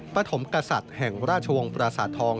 ปฐมกษัตริย์แห่งราชวงศ์ปราสาททอง